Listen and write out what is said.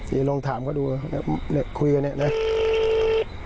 อย่าลงถามก็ดูเดี๋ยวคุยกันเนี่ย